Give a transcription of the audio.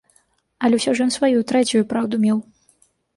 Але ўсё ж ён сваю, трэцюю, праўду меў.